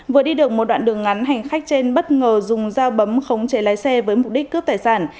vừa đi được một đoạn đường ngắn hành khách trên bất ngờ dùng dao bấm khống chế lái xe với mục đích cướp tài sản